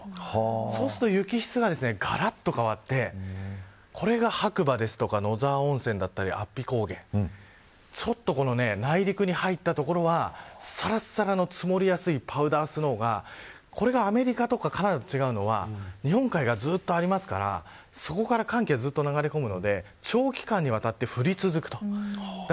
そうすると雪質ががらっと変わってこれが白馬ですとか野沢温泉だったり安比高原ちょっと内陸に入った所はさらさらの積もりやすいパウダースノーがこれが、アメリカやカナダと違うのは日本海がずっとありますのでそこから寒気が流れ込むので長期間にわたって降り続きます。